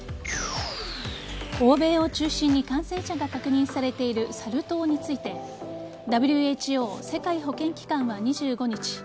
欧米を中心に感染者が確認されているサル痘についてＷＨＯ＝世界保健機関は２５日